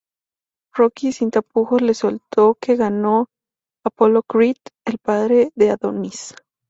Rocky sin tapujos le soltó que gano Apollo Creed, el padre de Adonis.